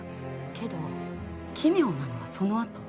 けど奇妙なのはそのあと